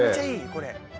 これ。